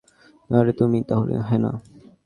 আরে, তুমিই তাহলে হা-না।